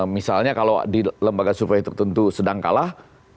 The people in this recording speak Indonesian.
misalnya kalau di lembaga survei tertentu sedang kalah